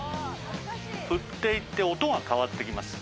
振っていって、音が変わっていきます。